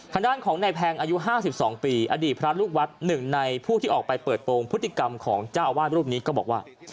ทางด้านของนายแพงอายุ๕๒ปีอดีตพระลูกวัดหนึ่งในผู้ที่ออกไปเปิดโปรงพฤติกรรมของเจ้าอาวาสรูปนี้ก็บอกว่า